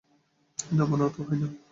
না, মনে তো হয় না।